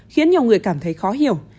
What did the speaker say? khiến nhiều người cảm thấy khó hiểu